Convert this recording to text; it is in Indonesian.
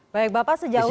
baik bapak sejauh ini